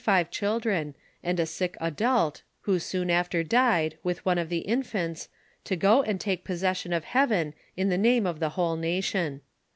c uhildreu, nnd a sick adult, who soon after died, with one of the infants, to go and take possession of heaven in the name of tho whole nation.